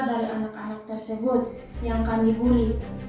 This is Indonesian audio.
dari anak anak tersebut yang kami bully